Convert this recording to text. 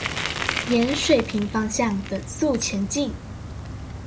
沿水平方向等速前進